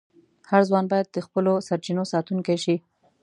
هر ځوان باید د خپلو سرچینو ساتونکی شي.